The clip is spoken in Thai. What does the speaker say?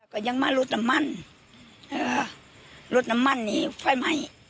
ก็ยังมารถน้ำมันรถน้ำมันนี้ไฟไหม้